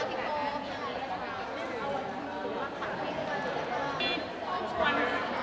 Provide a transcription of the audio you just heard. ขอถ่ายรูปก่อน